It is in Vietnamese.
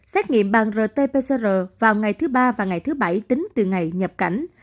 xét nghiệm bằng rt pcr vào ngày thứ ba và ngày thứ bảy tính từ ngày nhập cảnh